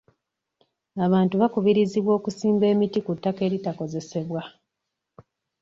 Abantu bakubirizibwa okusimba emiti ku ttaka eritakozesebwa.